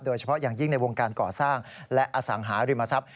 โดยเฉพาะอย่างยิ่งในวงการก่อสร้างและอสังหาริมทรัพย